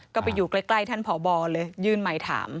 ก็ไปอยู่ใกล้ท่านพบเลยยื่นใหม่ถาม